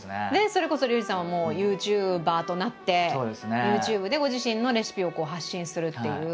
それこそリュウジさんもＹｏｕＴｕｂｅｒとなってＹｏｕＴｕｂｅでご自身のレシピを発信するっていう。